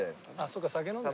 そっか酒飲んで。